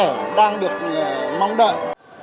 tôi đang được mong đợi